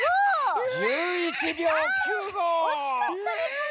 おしかったね。